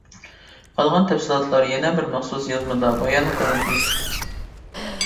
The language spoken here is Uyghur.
قالغان تەپسىلاتلار يەنە بىر مەخسۇس يازمىدا بايان قىلىندى.